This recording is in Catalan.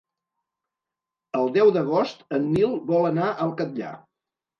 El deu d'agost en Nil vol anar al Catllar.